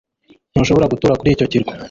Ntushobora gutura kuri icyo kirwa